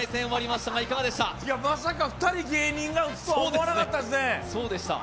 まさか２人芸人が打つとは思わなかったですね。